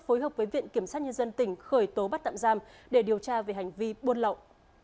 phối hợp với viện kiểm sát nhân dân tỉnh khởi tố bắt tạm giam để điều tra về hành vi buôn lậu